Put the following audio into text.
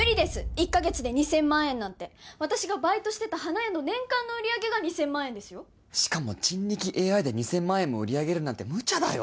１か月で２０００万円なんて私がバイトしてた花屋の年間の売上が２０００万円ですよしかも人力ＡＩで２０００万円も売り上げるなんてむちゃだよ